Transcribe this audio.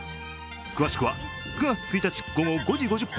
詳しくは９月１日午後５時５０分